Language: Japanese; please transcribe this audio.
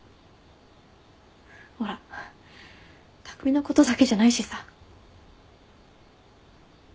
ほら匠のことだけじゃないしさ。